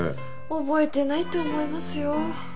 覚えてないと思いますよ。